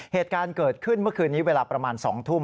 เหตุการณ์เกิดขึ้นเมื่อคืนนี้เวลาประมาณ๒ทุ่ม